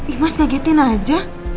ih mas ngagetin aja